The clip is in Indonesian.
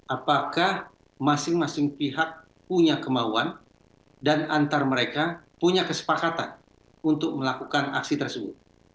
apakah masing masing pihak punya kemauan dan antar mereka punya kesepakatan untuk melakukan aksi tersebut